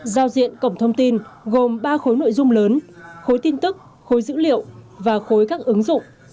giao diện cổng thông tin gồm ba khối nội dung lớn khối tin tức khối dữ liệu và khối các ứng dụng